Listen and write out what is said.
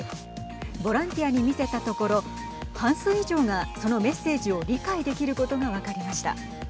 ボランティアに見せたところ半数以上がそのメッセージを理解できることが分かりました。